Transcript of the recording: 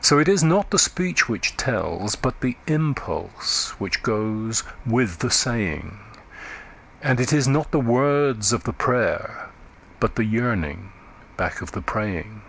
So it is not the speech which tells, but the impulse which goes with the saying; And it is not the words of the prayer, but the yearning back of the praying.